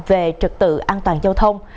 về trực tự an toàn giao thông